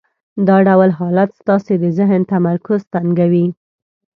دا ډول حالت ستاسې د ذهن تمرکز تنګوي.